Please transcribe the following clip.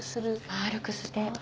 丸くして。